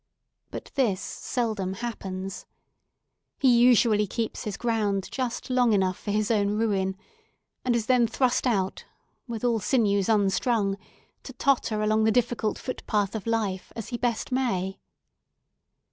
But this seldom happens. He usually keeps his ground just long enough for his own ruin, and is then thrust out, with sinews all unstrung, to totter along the difficult footpath of life as he best may.